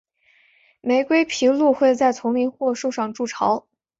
玫瑰琵鹭会在丛林或树上筑巢。